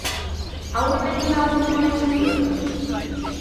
Hau betetzen lagunduko diguzue?